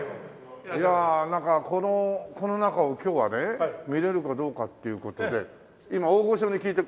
いやなんかこの中を今日はね見られるかどうかっていう事で今大御所に聞いて。